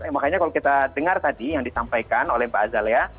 makanya kalau kita dengar tadi yang disampaikan oleh pak azal ya